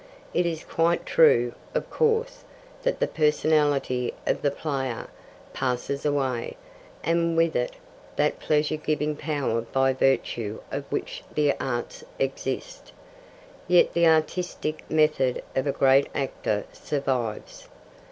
It is quite true, of course, that the personality of the player passes away, and with it that pleasure giving power by virtue of which the arts exist. Yet the artistic method of a great actor survives.